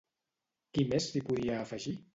Qui més s'hi podia afegir?